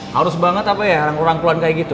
harus banget apa ya rangkulan rangkulan kayak gitu